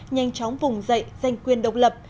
nhanh chóng vùng dậy giành quyền độc lập